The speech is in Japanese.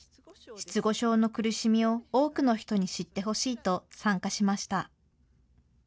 失語症の苦しみを多くの人に知ってほしいと参加しました。